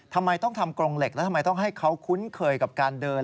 ทำไมต้องทำกรงเหล็กแล้วทำไมต้องให้เขาคุ้นเคยกับการเดิน